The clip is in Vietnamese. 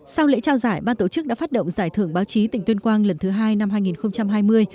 sau lễ trao giải ban tổ chức đã phát động giải thưởng báo chí tỉnh tuyên quang lần thứ hai năm hai nghìn hai mươi